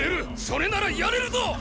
それならやれるぞっ！